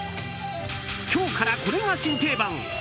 今日からこれが新定番。